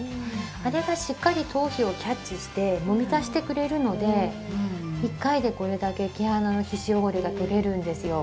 あれがしっかり頭皮をキャッチしてもみ出してくれるので１回でこれだけ毛穴の皮脂汚れが取れるんですよ。